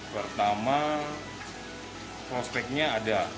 pertama prospeknya ada